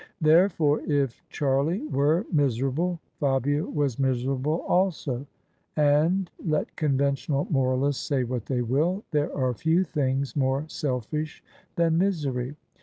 Therefore if Charlie were miserable, Fabia was miserable also: and — ^let conventional moralists say what they will — there are few things more selfish than misery.